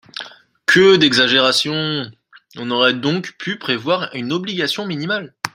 Que d’exagération ! On aurait donc pu prévoir une obligation minimale.